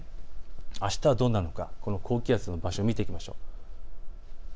あしたはどうなるのか、高気圧の場所を見ていきましょう。